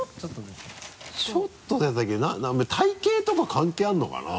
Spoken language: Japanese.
ちょっと出たけど体形とか関係あるのかな？